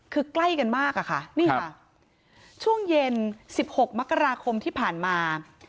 คือใกล้กันมากอะค่ะนี่ค่ะช่วงเย็น๑๖มกราคมที่ผ่านมา